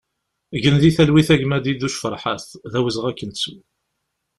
Gen di talwit a gma Diduc Ferḥat, d awezɣi ad k-nettu!